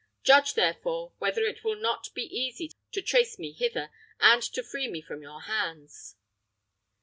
Judge, therefore, whether it will not be easy to trace me hither, and to free me from your hands."